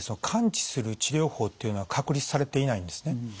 完治する治療法っていうのは確立されていないんですね。